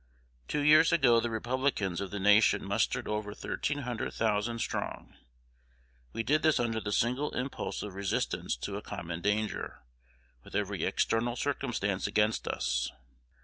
Two years ago the Republicans of the nation mustered over thirteen hundred thousand strong. We did this under the single impulse of resistance to a common danger, with every external circumstance against us.